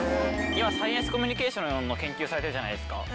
今サイエンスコミュニケーションの研究されてるじゃないですか。